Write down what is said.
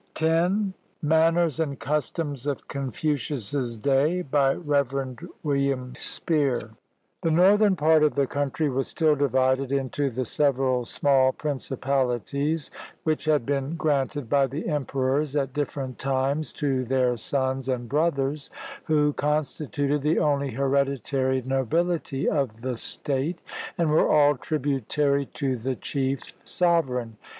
V MANNERS AND CUSTOMS OF CONFUCIUS'S DAY BY REV. WILLIAM SPEER The northern part of the country was still divided into the several small principalities which had been granted by the emperors at different times to their sons and brothers, who constituted the only hereditary nobihty of the state, and were all tributary to the chief sovereign.